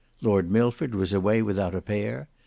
Lord Milford was away without a pair.